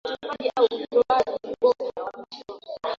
Alipokonywa kila kitu